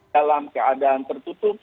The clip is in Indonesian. dalam keadaan tertutup